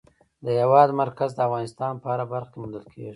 د هېواد مرکز د افغانستان په هره برخه کې موندل کېږي.